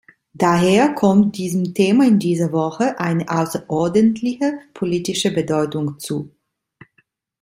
Daher kommt diesem Thema in dieser Woche eine außerordentliche politische Bedeutung zu.